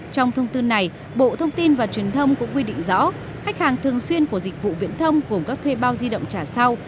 trong thông tư này bộ thông tin và truyền thông cũng quy định rõ khách hàng thường xuyên của dịch vụ viễn thông gồm các thuê bao di động trả sau